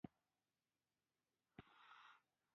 د بشري مرستو پر دوام